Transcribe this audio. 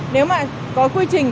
nếu mà có quy trình